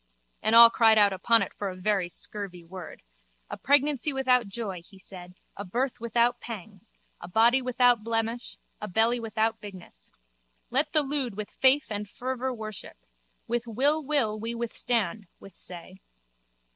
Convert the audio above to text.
And all cried out upon it for a very scurvy word. A pregnancy without joy, he said, a birth without pangs, a body without blemish, a belly without bigness. Let the lewd with faith and fervour worship. With will will we withstand, withsay.